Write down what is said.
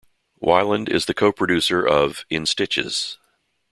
Weiland is the co-producer of "In Stitches".